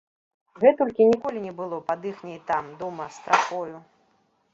Гэтулькі ніколі не было пад іхняй там, дома, страхою.